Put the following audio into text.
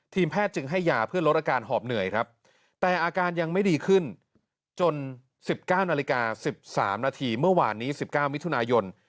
แพทย์จึงให้ยาเพื่อลดอาการหอบเหนื่อยครับแต่อาการยังไม่ดีขึ้นจน๑๙นาฬิกา๑๓นาทีเมื่อวานนี้๑๙มิถุนายน